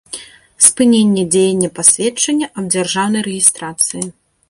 Спыненне дзеяння пасведчання аб дзяржаўнай рэгiстрацыi